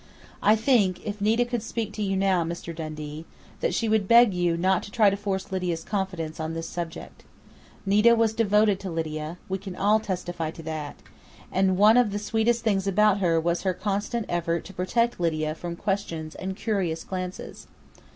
"I think, if Nita could speak to you now, Mr. Dundee, that she would beg you not to try to force Lydia's confidence on this subject. Nita was devoted to Lydia we can all testify to that! and one of the sweetest things about her was her constant effort to protect Lydia from questions and curious glances.